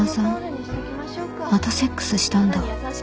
またセックスしたんだ